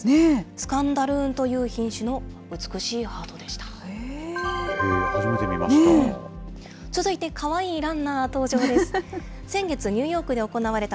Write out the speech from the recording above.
スカンダルーンという品種の美し初めて見ました。